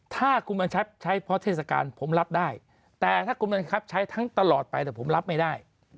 ถ้าคุณบังคับใช้เพราะเทศกาลผมรับได้แต่ถ้าคุณบังคับใช้ทั้งตลอดไปแต่ผมรับไม่ได้